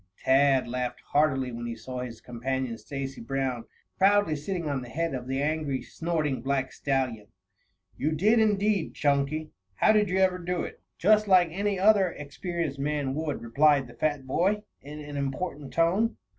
Tad laughed heartily when he saw his companion, Stacy Brown, proudly sitting on the head of the angry, snorting black stallion. "You did, indeed, Chunky. How did you ever do it?" "Just like any other experienced man would," replied the fat boy, in an important tone.